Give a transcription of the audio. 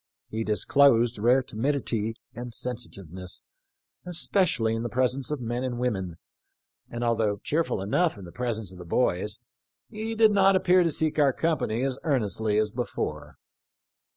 He disclosed rare timidity and sensitiveness, especially in the presence of men and women, and although cheerful enough in the pres ence of the boys, he did not appear to seek our company as earnestly as before."